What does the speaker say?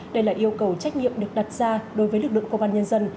đây là yêu cầu trách nhiệm được đặt ra đối với lực lượng công an nhân dân